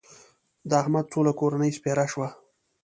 د احمد ټوله کورنۍ سپېره شوه.